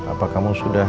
apa kamu sudah